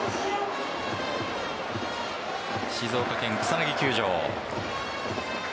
静岡県草薙球場。